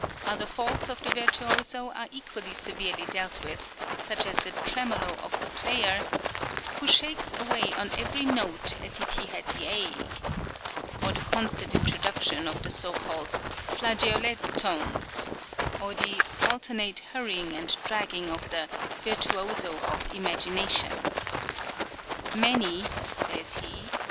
Other faults of the virtuoso are equally severely dealt with, such as the tremolo of the player "who shakes away on every note as if he had the ague" (p. 238), or the constant introduction of the so called "flageolet tones" (p. 107), or the alternate hurrying and dragging of the "virtuoso of imagination." "Many," says he (p.